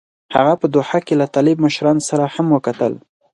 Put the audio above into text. هغه په دوحه کې له طالب مشرانو سره هم وکتل.